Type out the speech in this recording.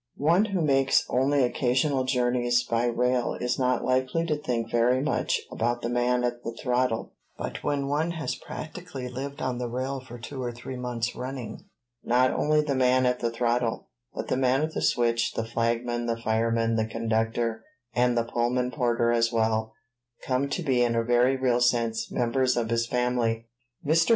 One who makes only occasional journeys by rail is not likely to think very much about the man at the throttle; but when one has practically lived on the rail for two or three months running, not only the man at the throttle, but the man at the switch, the flagman, the fireman, the conductor, and the Pullman porter as well, come to be in a very real sense members of his family. Mr.